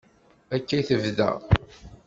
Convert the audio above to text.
Akka i tebda.